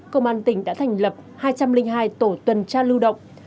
công an tỉnh đã thành lập hai trăm linh hai tổ tuần tra lưu động